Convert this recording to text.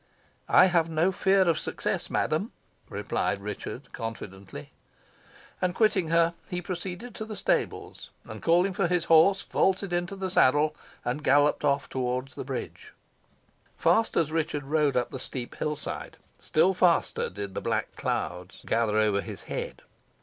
"I have no fear of success, madam," replied Richard, confidently. And quitting her, he proceeded to the stables, and calling for his horse, vaulted into the saddle, and galloped off towards the bridge. Fast as Richard rode up the steep hill side, still faster did the black clouds gather over his head.